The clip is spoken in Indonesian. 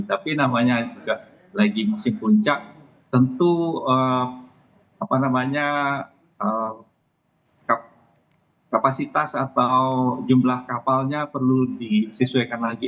tapi namanya juga lagi musim puncak tentu kapasitas atau jumlah kapalnya perlu disesuaikan lagi